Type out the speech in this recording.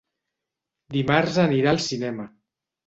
Dimarts anirà al cinema.